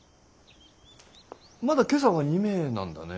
まだ今朝は２名なんだね。